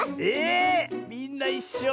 みんないっしょ。